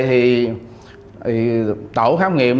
thì tổ khám nghiệm